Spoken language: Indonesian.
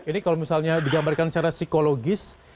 ini kalau misalnya digambarkan secara psikologis